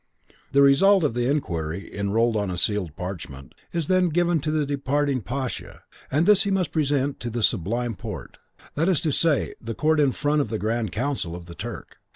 The result of the inquiry, enrolled on a sealed parchment, is then given to the departing pasha, and this he must present to the Sublime Porte, that is to say, the court in front of the grand council of the Turk.